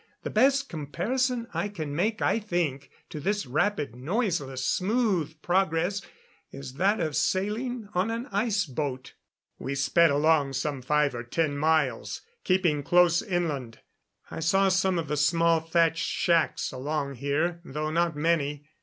The best comparison I can make, I think, to this rapid, noiseless, smooth progress, is that of sailing on an iceboat. We sped along some five or ten miles, keeping close inland. I saw some of the small thatched shacks along here, though not many.